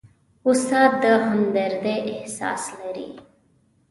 استاد د همدردۍ احساس لري.